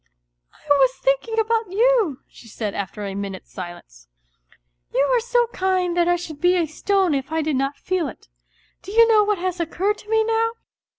" I was thinking about you," she said after a minute's silence. " You are so kind that I should be a stone if I did not feel it. Do you know what has occurred to me now